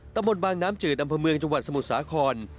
ตำบลบางน้ำจืดอำเภอเมืองจังหวัดสมุทรสาคร